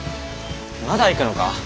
まだ行くのか？